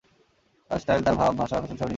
তার স্টাইল, তার ভাব, ভাষা, ফ্যাশন সবই নিজের মতো।